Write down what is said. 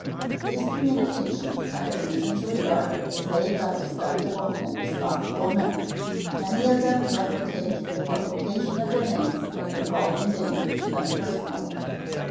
These communications I have reason to regard as made by respectable and responsible men. Many of them deprecate the publication of their names as involving danger to them personally.